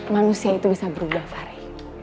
manusia itu bisa berubah fareh